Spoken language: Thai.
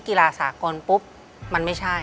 ที่ผ่านมาที่มันถูกบอกว่าเป็นกีฬาพื้นบ้านเนี่ย